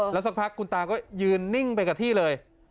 แล้วสักพักคุณตาก็ยืนนิ่งไปกับที่เลย